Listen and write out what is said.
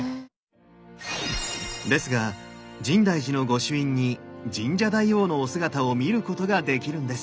ですが深大寺のご朱印に深沙大王のお姿を見ることができるんです。